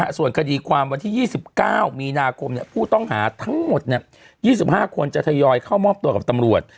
ส่วนคดีความวันที่๒๙มีนาคมผู้ต้องหาทั้งหมด๒๕คนจะทยอยเข้ามอบตัวกับตำรวจ